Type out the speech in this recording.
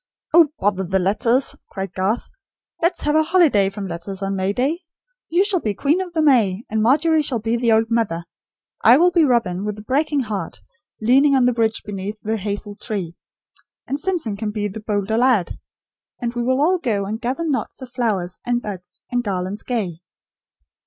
"Oh, bother the letters!" cried Garth. "Let's have a holiday from letters on May Day! You shall be Queen of the May; and Margery shall be the old mother. I will be Robin, with the breaking heart, leaning on the bridge beneath the hazel tree; and Simpson can be the 'bolder lad.' And we will all go and 'gather knots of flowers, and buds, and garlands gay.'"